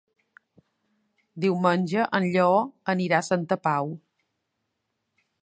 Diumenge en Lleó anirà a Santa Pau.